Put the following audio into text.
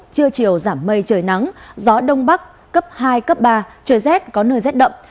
trưa chiều giảm mây trời nắng gió đông bắc cấp hai cấp ba trời rét có nơi rét đậm